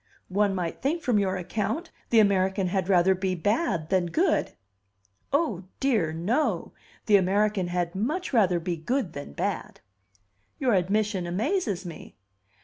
"One might think, from your account, the American had rather be bad than good." "O dear, no! The American had much rather be good than bad!" "Your admission amazes me!"